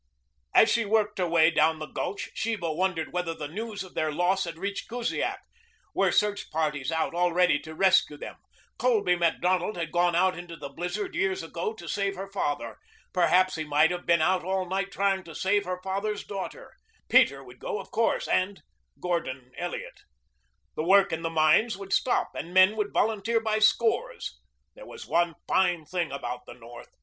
As she worked her way down the gulch Sheba wondered whether the news of their loss had reached Kusiak. Were search parties out already to rescue them? Colby Macdonald had gone out into the blizzard years ago to save her father. Perhaps he might have been out all night trying to save her father's daughter. Peter would go, of course, and Gordon Elliot. The work in the mines would stop and men would volunteer by scores. That was one fine thing about the North.